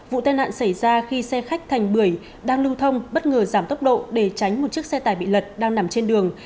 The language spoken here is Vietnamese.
vụ tai nạn xảy ra khi xe khách thành bưởi đang lưu thông bất ngờ giảm tốc độ để tránh một chiếc xe tải bị lật đang nằm trên đường